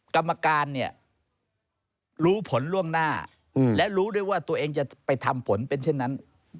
กรรมการเนี่ยรู้ผลล่วงหน้าและรู้ด้วยว่าตัวเองจะไปทำผลเป็นเช่นนั้น